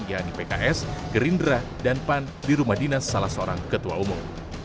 yaitu pks gerindra dan pan di rumah dinas salah seorang ketua umum